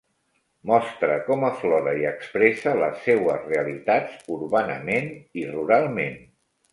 Mostre com aflora i expressa les seues realitats, urbanament i ruralment.